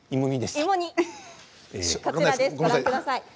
こちらです、ご覧ください。